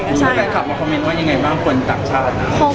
ช่วยแฟนคลับมาคอมเมนต์ว่ายังไงบ้างคนต่างชาตินะ